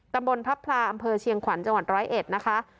ตำบลพับพลาอำเภอเชียงขวัญจังหวัดร้อยเอ็ดนะคะ